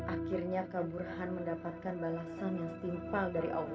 akhirnya ke burhan mendapatkan balasan yang simpal dari allah